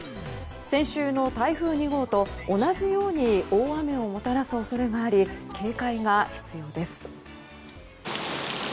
先週の台風２号と同じように大雨をもたらす恐れがあり警戒が必要です。